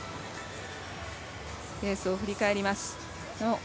レースを振り返ります。